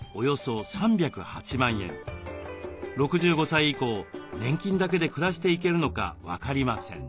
６５歳以降年金だけで暮らしていけるのか分かりません。